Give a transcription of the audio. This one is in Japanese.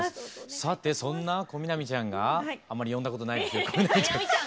さてそんな小南ちゃんがあまり呼んだことないですけど小南ちゃん。